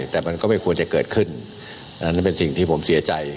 แต่มันก็ไม่ควรจะเกิดขึ้นอันนั้นเป็นสิ่งที่ผมเสียใจ